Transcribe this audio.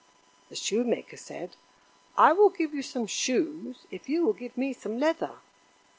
The Shoemaker said: "I will give you some shoes if you will give me some leather."